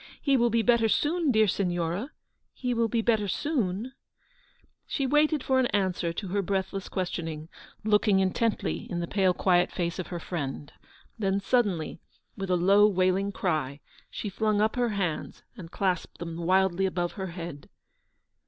He will be better soon, dear Signora; he will be better soon ?" She waited for an answer to her breathless questioning, looking intently in the pale quiet face of her friend ; then suddenly, with a low, wailing cry, she flung up her hands and clasped them wildly above her head.